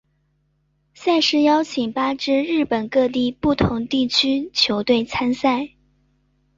赛事邀请八支日本各地不同地区球队参赛。